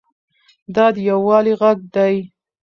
دا د یووالي غږ دی.